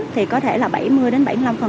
thì có thể là bảy mươi đến bảy mươi năm